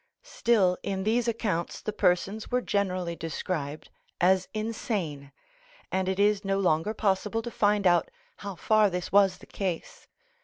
Still in these accounts the persons were generally described as insane, and it is no longer possible to find out how far this was the case.